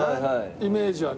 イメージはね。